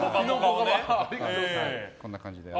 こんな感じで。